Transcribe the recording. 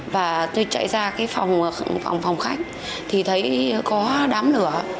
và tôi chạy ra cái phòng phòng khách thì thấy có đám lửa